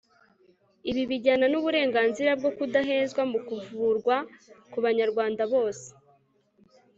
ibi bijyana n'uburenganzira bwo kudahezwa mu kuvurwa ku banyarwanda bose